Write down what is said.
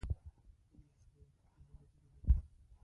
د دې خلک زموږ ورونه دي